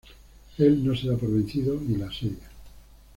Él no se da por vencido y la asedia.